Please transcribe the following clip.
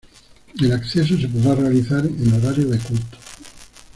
El acceso se podrá realizar en horario de culto.